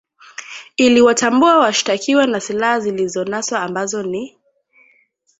iliwatambua washtakiwa na silaha zilizonaswa ambazo ni